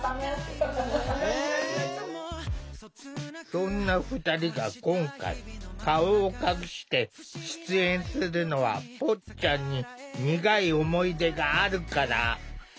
そんな２人が今回顔を隠して出演するのはぽっちゃんに苦い思い出があるから。